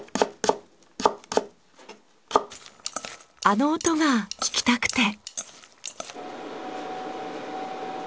あの音が聞きたくて。